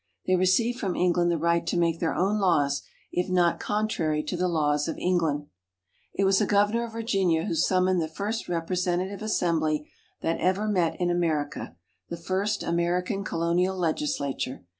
They received from England the right to make their own laws, if not contrary to the laws of England. It was a Governor of Virginia who summoned the first representative Assembly that ever met in America, the first American Colonial Legislature.